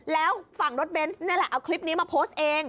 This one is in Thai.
แล้วฝั่งรถเบนส์นี่แหละเอาคลิปนี้มาโพสต์เอง